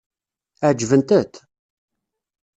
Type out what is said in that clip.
Ɛeǧbent-t?